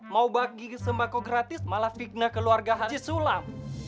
mau bagi sembako gratis malah fitnah keluarga haji sulam